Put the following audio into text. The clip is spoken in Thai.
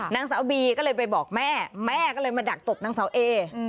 นางสาวบีก็เลยไปบอกแม่แม่ก็เลยมาดักตบนางสาวเอ